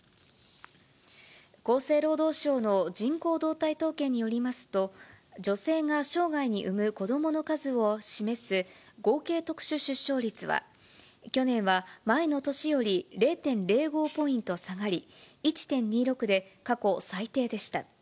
厚生労働省の人口動態統計によりますと、女性が生涯に産む子どもの数を示す合計特殊出生率は、去年は前の年より０．０５ポイント下がり、１．２６で、過去最低でした。